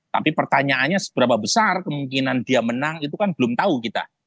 tapi pertanyaannya seberapa besar kemungkinan dia menang itu kan belum tahu kita